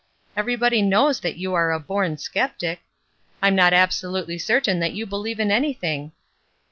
Everybody knows that you are a born sceptic. I'm not absolutely certain that you believe in anything."